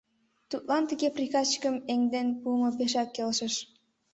Тудлан тыге приказчикым эҥден шуымо пешак келшыш.